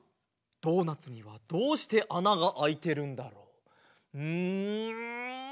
ドーナツにはどうしてあながあいてるんだろう？ん？